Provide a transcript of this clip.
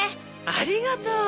ありがとう！